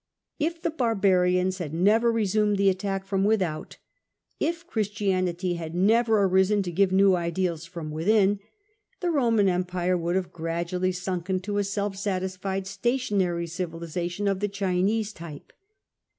If the Barbarians had never resumed the attack from without, if Christianity had never arisen to give new ideals from within, the Eoman Empire would have gradually sxmk into a self satisfied stationary civilisation of the Chinese type.